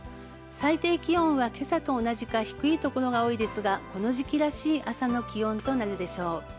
最低気温は今朝と同じか低いところが多いですがこの時期らしい朝の気温となるでしょう。